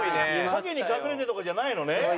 陰に隠れてとかじゃないのね。